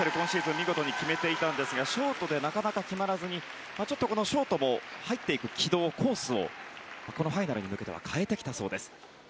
見事に決めていましたがショートでなかなか決まらずにちょっとショートも入っていく軌道、コースをこのファイナルに向けては変えてきたそうです。